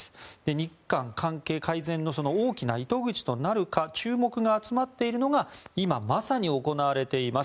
日韓関係改善の大きな糸口となるか注目が集まっているのが今まさに行われています